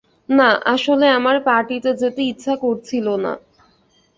না, আসলে আমার পার্টিতে যেতে ইচ্ছা করছিল না।